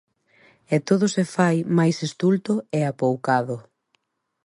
E todo se fai máis estulto e apoucado.